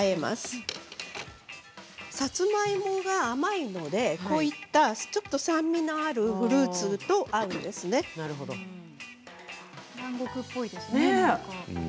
さつまいもが甘いのでちょっと酸味のあるフルーツと南国っぽいですね。